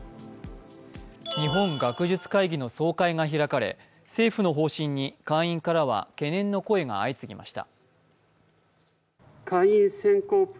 日本学術会議の総会が開かれ政府の方針に会員からは懸念の声が相次ぎました。